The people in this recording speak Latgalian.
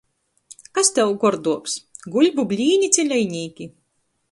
Kas tev gorduoks – buļbu blīni ci lejnīki?